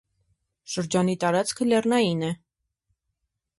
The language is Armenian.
Շրջանի տարածքը լեռնային է։